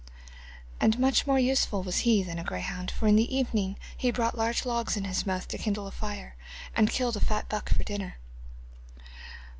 And much more useful was he than a greyhound, for in the evening he brought large logs in his mouth to kindle a fire, and killed a fat buck for dinner.